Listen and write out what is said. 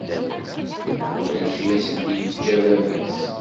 Ulac i as-d-yeǧǧa baba-s